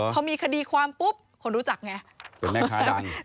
พอมีคดีความปุ๊บคนรู้จักไงเป็นแม่ค้าแบบนี้